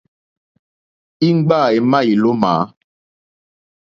Íŋɡbâ émá ílómǎ.